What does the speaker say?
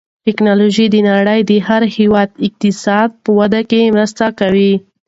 تکنالوژي د نړۍ د هر هېواد د اقتصاد په وده کې مرسته کوي.